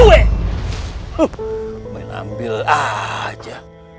aku akan mengambilnya